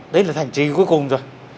đấy là thành trì cuối cùng rồi